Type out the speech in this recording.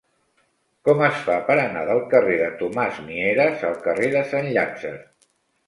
Com es fa per anar del carrer de Tomàs Mieres al carrer de Sant Llàtzer?